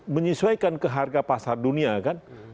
menyesuaikan ke harga pasar dunia kan